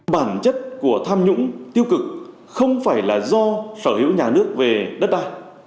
bản chất của tham nhũng tiêu cực không phải là do sở hữu nhà nước về đất đai